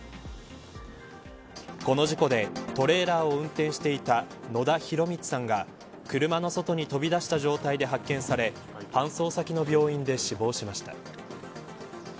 この事故でトレーラーを運転していた野田浩光さんが、車の外に飛び出した状態で発見され搬送先の病院で死亡しました。